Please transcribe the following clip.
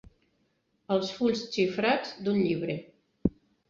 Els fulls xifrats d'un llibre.